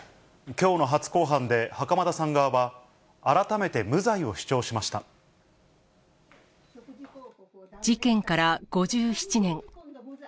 きょうの初公判で袴田さん側事件から５７年。